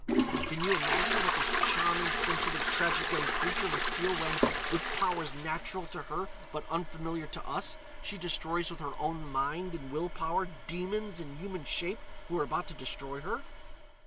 Can you imagine what this charming, sensitive, tragic young creature must feel when, with powers natural to her but unfamiliar to us, she destroys with her own mind and will power demons in human shape who are about to destroy her?